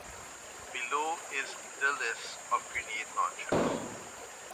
Below is the list of grenade launchers.